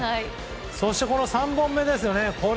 そしてこの３本目ですよね。